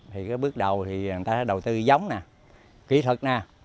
thì cái bước đầu thì người ta sẽ đầu tư giống kỹ thuật